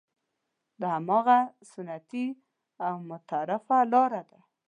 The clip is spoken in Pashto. دا هماغه سنتي او متعارفه لاره ده.